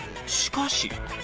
しかし